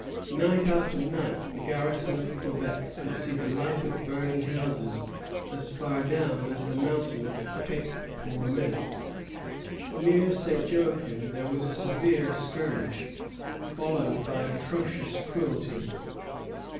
Night after night the garrison of Quebec could see the light of burning houses as far down as the mountain of Cape Tourmente. Near St. Joachim there was a severe skirmish, followed by atrocious cruelties.